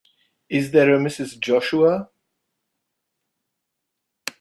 Is there a Mrs. Joshua?